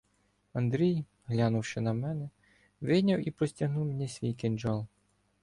Андрій, глянувши на мене, вийняв і простягнув мені свій кинджал.